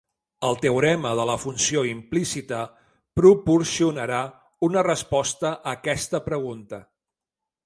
El teorema de la funció implícita proporcionarà una resposta a aquesta pregunta.